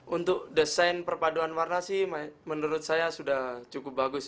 untuk desain perpaduan warna sih menurut saya sudah cukup bagus